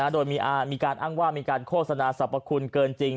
โดยมีการอ้างว่ามีการโฆษณาสรรพคุณเกินจริง